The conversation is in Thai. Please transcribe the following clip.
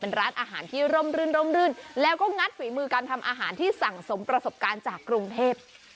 เป็นร้านอาหารที่ร่มรื่นร่มรื่นแล้วก็งัดฝีมือการทำอาหารที่สั่งสมประสบการณ์จากกรุงเทพ